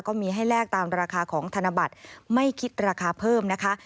ก็มีให้แลกตามราคาของธนบัตรไม่คิดราคาเพิ่มนะคะ